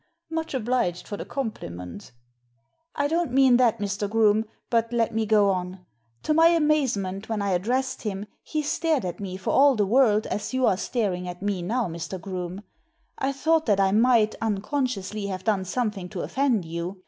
Much obliged for the compliment" " I don't mean that, Mr. Groome, but let me go on. To my amazement, when I addressed him, he stared at me for all the world as you are staring at me now, Mr. Groome. I thought tiiat I might, unconsciously, have done something to offend you.